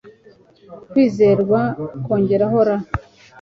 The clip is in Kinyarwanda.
kwizerwa+r